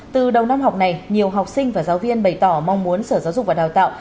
từ đầu năm học này nhiều học sinh và giáo viên bày tỏ mong muốn sở giáo dục và đào tạo